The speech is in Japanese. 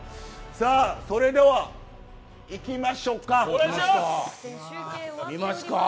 それではいきましょうか。